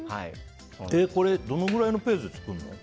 これどれくらいのペースで作るの？